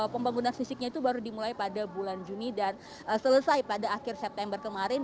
pembangunan fisiknya itu baru dimulai pada bulan juni dan selesai pada akhir september kemarin